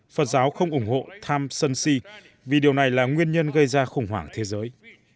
phật giáo không ủng hộ tham sân si vì điều này là nguyên nhân gây ra khủng hoảng thế giới